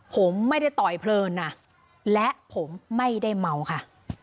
ผมไม่ได้ต่อยเพลินนะและผมไม่ได้เมาค่ะ